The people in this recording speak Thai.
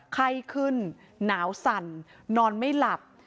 ไข้ขึ้นหนาวสั่นนอนไม่หลับ